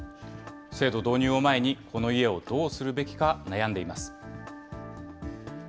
制度導入を前に、この家をどうするべきか悩んでいます。